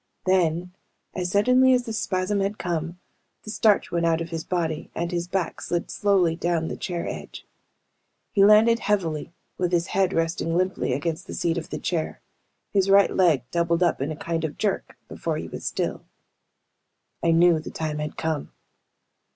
Then, as suddenly as the spasm had come, the starch went out of his body and his back slid slowly down the chair edge. He landed heavily with his head resting limply against the seat of the chair. His right leg doubled up in a kind of jerk, before he was still. I knew the time had come.